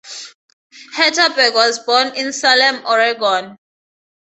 Hatteberg was born in Salem, Oregon.